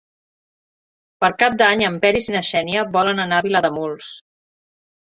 Per Cap d'Any en Peris i na Xènia volen anar a Vilademuls.